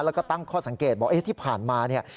แล้วก็ตั้งข้อสังเกตบอกที่ผ่านมาเนี่ย